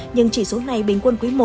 nhưng chỉ số này bình quân quý một